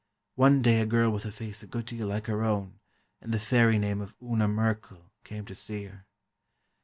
One day a girl with a face a good deal like her own, and the fairy name of Una Merkel, came to see her.